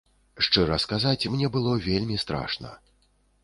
Шчыра сказаць, мне было вельмі страшна.